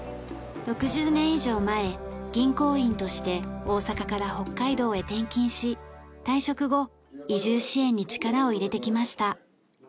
６０年以上前銀行員として大阪から北海道へ転勤し退職後移住支援に力を入れてきました。